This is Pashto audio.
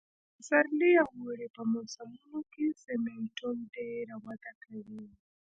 د پسرلي او اوړي په موسمونو کې سېمنټوم ډېره وده کوي